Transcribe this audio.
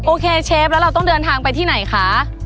โอเคเชฟแล้วเราต้องเดินทางไปที่ไหนคะ